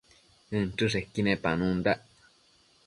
inchËshequi nepanundac